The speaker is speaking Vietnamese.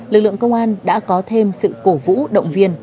lực lượng công an đã có thêm sự cổ vũ động viên